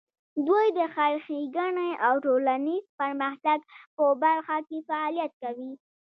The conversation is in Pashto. دوی د خیر ښېګڼې او د ټولنیز پرمختګ په برخه کې فعالیت کوي.